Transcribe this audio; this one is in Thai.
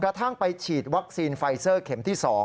กระทั่งไปฉีดวัคซีนไฟเซอร์เข็มที่๒